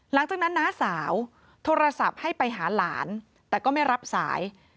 หลังจากนั้นนะสาวโทรศัพท์ให้ไปหาหลานแต่ก็ไม่รับสาย